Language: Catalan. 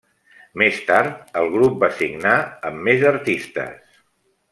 Més tard, el grup va signar amb més artistes.